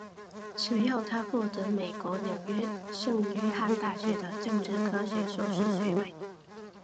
随后他获得美国纽约圣约翰大学的政治科学硕士学位。